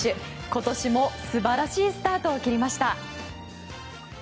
今年も素晴らしいスタートを切りました。